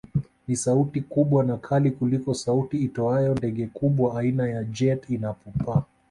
Ni sauti kubwa na kali kuliko sauti itoayo ndege kubwa aina ya jet inapopaa